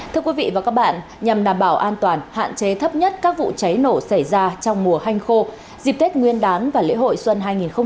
thưa quý vị và các bạn nhằm đảm bảo an toàn hạn chế thấp nhất các vụ cháy nổ xảy ra trong mùa hanh khô dịp tết nguyên đán và lễ hội xuân hai nghìn hai mươi bốn